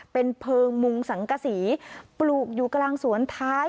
เป็นเพลิงมุงสังกษีปลูกอยู่กลางสวนท้าย